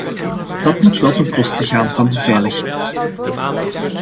Dat moet wel ten koste gaan van de veiligheid.